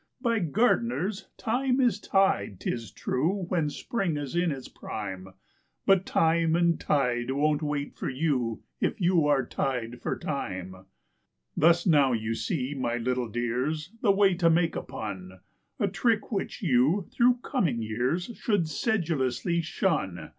By gardeners thyme is tied, 'tis true, when spring is in its prime; But time and tide won't wait for you if you are tied for time. Thus now you see, my little dears, the way to make a pun; A trick which you, through coming years, should sedulously shun.